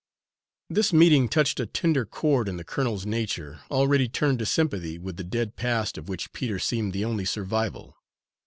This meeting touched a tender chord in the colonel's nature, already tuned to sympathy with the dead past of which Peter seemed the only survival.